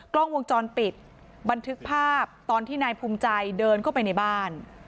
กล้องวงจรปิดบันทึกภาพตอนที่นายภูมิใจเดินเข้าไปในบ้าน